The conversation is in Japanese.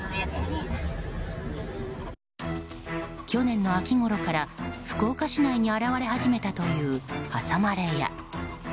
去年の秋ごろから福岡市内に現れ始めたという挟まれ屋。